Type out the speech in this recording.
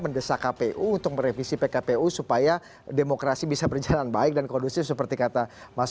mendesak kpu untuk merevisi pkpu supaya demokrasi bisa berjalan baik dan kondusif seperti kata mas